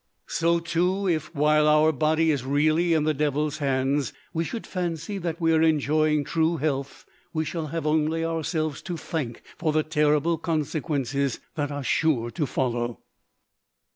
So too, if, while our body is really in the Devil's hands, we should fancy that we are enjoying true health, we shall have only ourselves to thank for the terrible consequences that are sure to follow.